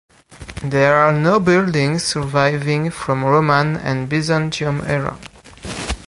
There are no buildings surviving from Roman and Byzntium era.